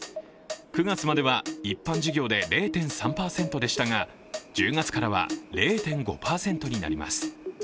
９月までは一般事業で０．３％でしたが１０月からは０．５％になります。